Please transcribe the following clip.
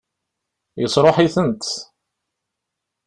Yesṛuḥ-itent?